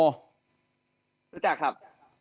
รู้จักครับ